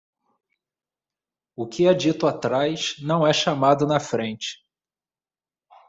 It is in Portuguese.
O que é dito atrás não é chamado na frente.